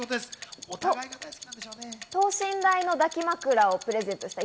等身大の抱き枕をプレゼントした。